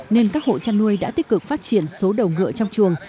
nên các hộ chăn nuôi đã tích cực phát triển số đầu ngựa trong chuồng